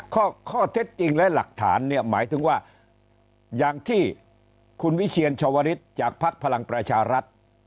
ข้อเท็จจริงและหลักฐานเนี่ยหมายถึงว่าอย่างที่คุณวิเชียรชวริสจากภักดิ์พลังประชารัฐ